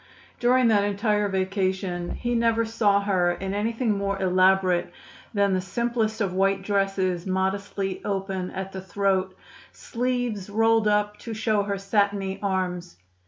During that entire vacation he never saw her in anything more elaborate than the simplest of white dresses modestly open at the throat, sleeves rolled up to show her satiny arms.